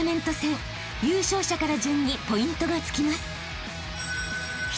［優勝者から順にポイントがつきます］